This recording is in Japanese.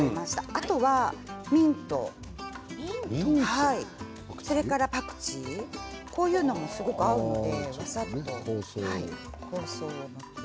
あとミント、それからパクチーこういうのもすごく合うので。